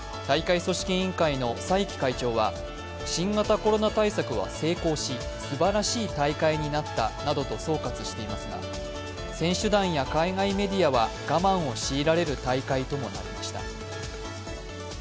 大会組織委員会の蔡奇会長は新型コロナ対策は成功しすばらしい大会になったなどと総括していますが選手団や海外メディアは我慢を強いられる大会ともなりました。